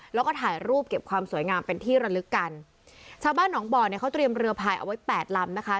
แล้วก็ถ่ายรูปเก็บความสวยงามเป็นที่ระลึกกันชาวบ้านหนองบ่อเนี่ยเขาเตรียมเรือพายเอาไว้แปดลำนะคะ